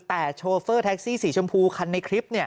แต่โชเฟอร์แท็กซี่สีชมพูคันในคลิปเนี่ย